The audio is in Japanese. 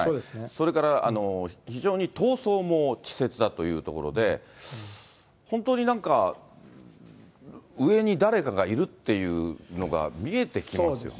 それから非常に逃走も稚拙だというところで、本当になんか、上に誰かがいるっていうのが見えてきますよね。